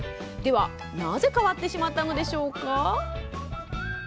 では、なぜ変わってしまったのでしょうか？